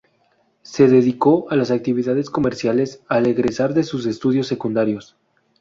Se dedicó a las actividades comerciales, al egresar de sus estudios secundarios.